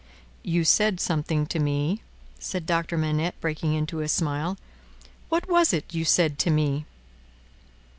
"You said something to me," said Doctor Manette, breaking into a smile. "What was it you said to me?"